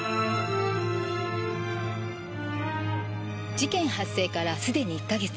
事件発生から既に１か月。